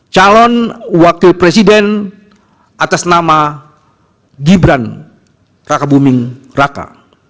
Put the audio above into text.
calon wakil presiden atas nama gibran raka buming raka